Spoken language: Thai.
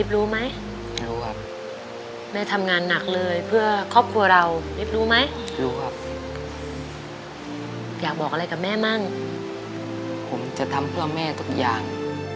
เราคงต้องจะทำเพื่อแม่ทุกอย่าง